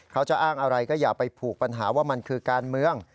เขาจะอ้างอะไรก็อย่าไปผูกปัญหาว่ามันคือการเมือง